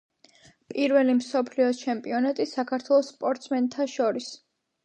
პირველი მსოფლიოს ჩემპიონი საქართველოს სპორტსმენთა შორის.